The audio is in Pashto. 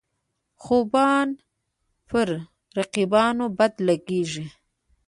خوبان پر رقیبانو بد لګيږي.